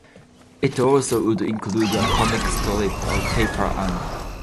It also would include a comic strip of Pepper Ann.